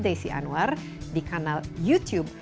desi anwar di kanal youtube